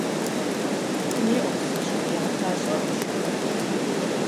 Фынеуэ, псынщӀэу, егъэпӀащӀэ абы шыхэр.